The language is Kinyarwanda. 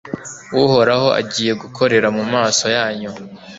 uhoraho agiye gukorera mu maso yanyu